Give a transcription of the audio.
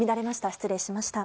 失礼しました。